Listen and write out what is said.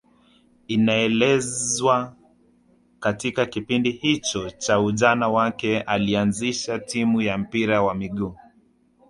Inaelezwa katika kipindi hicho cha ujana wake alianzisha timu ya mpira wa miguu